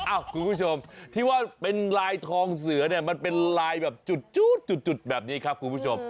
คุณผู้ชมที่ว่าเป็นลายทองเสือเนี่ยมันเป็นลายแบบจุดแบบนี้ครับคุณผู้ชม